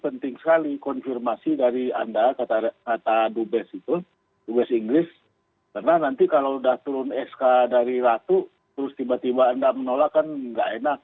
penting sekali konfirmasi dari anda kata dubes itu dubes inggris karena nanti kalau udah turun sk dari ratu terus tiba tiba anda menolak kan nggak enak